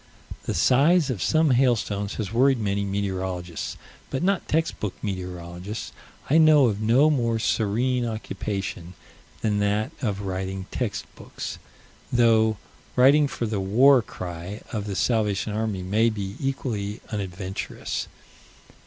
The size of some hailstones has worried many meteorologists but not text book meteorologists. I know of no more serene occupation than that of writing text books though writing for the War Cry, of the Salvation Army, may be equally unadventurous.